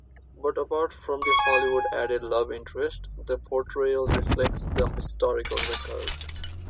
But apart from the Hollywood-added love interest, the portrayal reflects the historical record.